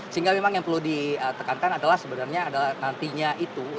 sehingga memang yang perlu ditekankan adalah sebenarnya adalah nantinya itu